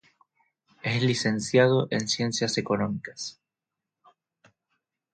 Es licenciado en Ciencias Económicas.